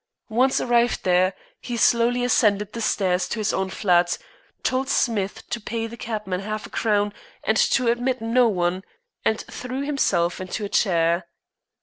Once arrived there, he slowly ascended the stairs to his own flat, told Smith to pay the cabman half a crown and to admit no one, and threw himself into a chair.